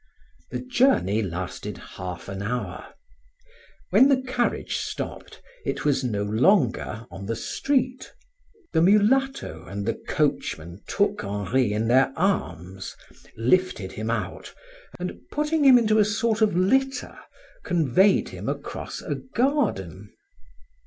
The journey lasted half an hour. When the carriage stopped, it was no longer on the street. The mulatto and the coachman took Henri in their arms, lifted him out, and, putting him into a sort of litter, conveyed him across a garden.